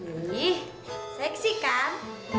ih seksi kan